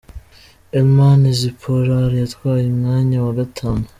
Eleman Ziporar yatwaye umwanya wa gatanu.